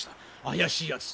怪しいやつ。